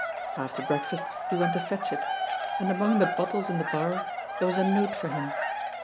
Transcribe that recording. After breakfast he went to fetch it; and among the bottles in the bar there was a note for him.